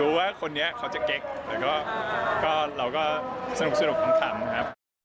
รู้ว่าคนเนี้ยเขาจะเก็กแต่ก็เราก็สนุกค่ะ